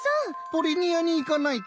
ポリニヤに行かないと。